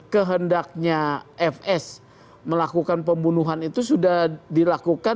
kehendaknya fs melakukan pembunuhan itu sudah dilakukan